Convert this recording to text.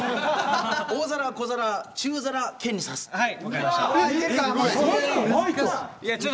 大皿、小皿、中皿天にさすと。